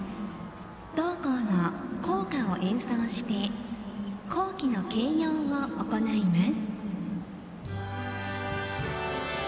同校の校歌を演奏して校旗の掲揚を行います。